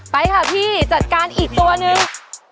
ไปค่ะพี่จัดการอีกตัวนึง